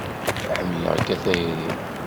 Ḥemmleɣ-k a tayri.